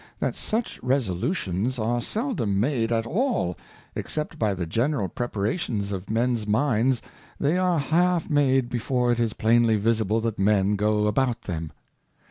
That such Resolutions are seldom made at all, except by the general Preparations of Mens Minds they are half made before it is plainly visible that Men go about them.